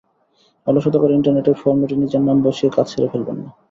অলসতা করে ইন্টারনেটের ফরম্যাটে নিজের নাম বসিয়ে কাজ সেরে ফেলবেন না।